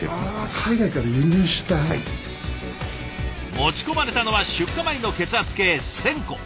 持ち込まれたのは出荷前の血圧計１，０００個。